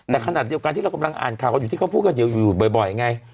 แต่ขนาดเดียวกันที่เรากำลังอ่านข่าวกันอยู่ที่เขาพูดกันอยู่บ่อยไง